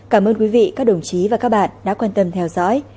cảm ơn quý vị các đồng chí và các bạn đã quan tâm theo dõi